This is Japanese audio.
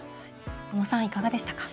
おのさん、いかがでしたか。